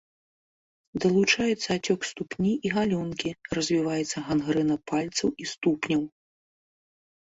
Далучаецца ацёк ступні і галёнкі, развіваецца гангрэна пальцаў і ступняў.